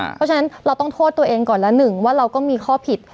เพราะฉะนั้นเราต้องโทษตัวเองก่อนละหนึ่งว่าเราก็มีข้อผิด